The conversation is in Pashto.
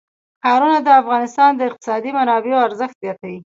ښارونه د افغانستان د اقتصادي منابعو ارزښت زیاتوي.